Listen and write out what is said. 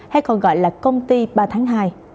hay còn gọi là công ty ba tháng hai